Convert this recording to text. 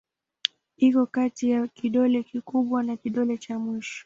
Iko kati ya kidole kikubwa na kidole cha mwisho.